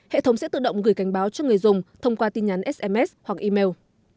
hệ thống sẽ tự động gửi cảnh báo cho người dùng thông qua tin nhắn sms hoặc email